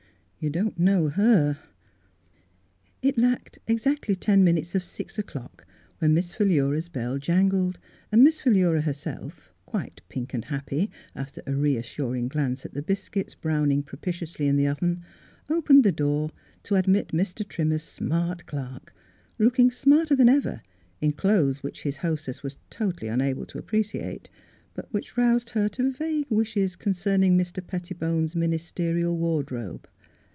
" You don't know her.'' It lacked exactly ten minutes of six o'clock when Miss Philura's bell jangled, and Miss Philura herself, quite pink and happy after a reassuring glance at the biscuits browning propitiously in the oven, opened the door to admit Mr. Trimmer's smart clerk, looking smarter than ever in clothes which his hostess was totally unable to appreciate, but which roused her to vague wishes concerning Mr. Petti bone's ministerial wardrobe.